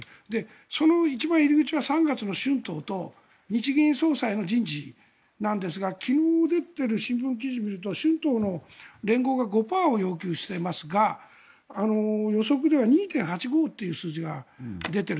その一番入り口は３月の春闘と日銀総裁の人事なんですが昨日出ている新聞記事を見ると春闘の連合が５％を要求していますが予測では２．８５という数字が出ている。